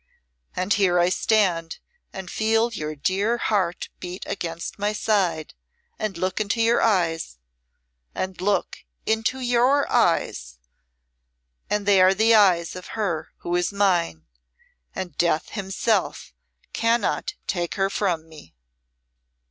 "And here I stand and feel your dear heart beat against my side, and look into your eyes and look into your eyes and they are the eyes of her who is mine own and Death himself cannot take her from me."